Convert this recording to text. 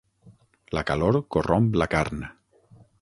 La calor corromp la carn.